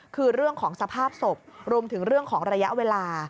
คือเรื่องของสภาพศพรวมถึงเรื่องของระยะเวลา